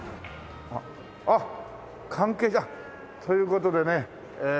あっ関係者という事でねえ